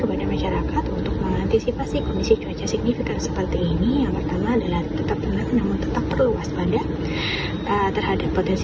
badan meteorologi klimatologi dan geofisika memprediksi cuaca di wilayah jabodetabek pada tiga hari ke depan